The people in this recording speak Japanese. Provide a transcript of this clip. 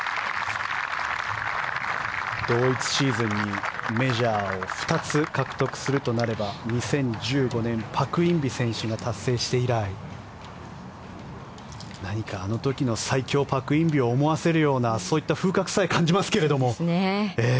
同一シーズンにメジャーを２つ獲得するとなれば２０１５年パク・インビ選手が達成して以来何かあの時の最強パク・インビを思わせるようなそういった風格さえ感じますけど。